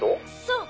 そう！